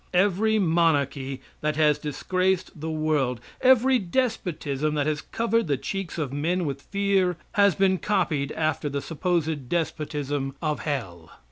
Every monarchy that has disgraced the world, every despotism that has covered the cheeks of men with fear has been copied after the supposed despotism of hell.